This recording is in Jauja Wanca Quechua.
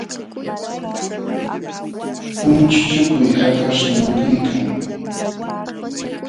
Unchuchukuy hakaśhta mikuykan